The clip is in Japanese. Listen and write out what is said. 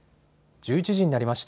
１１時になりました。